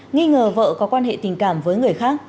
nghi ngờ vợ có quan hệ tình cảm với người khác